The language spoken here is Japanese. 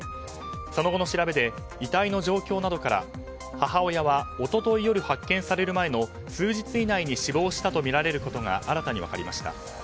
その後の調べで遺体の状況などから母親は一昨日夜発見される前の数日以内に死亡したとみられることが新たに分かりました。